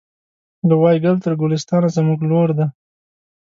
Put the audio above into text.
له وایګل تر ګلستانه زموږ لور دی